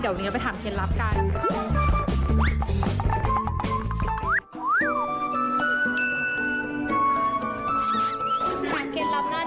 เดี๋ยวนี้เราไปถามเคล็ดลับกัน